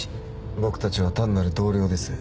僕たちは単なる同僚です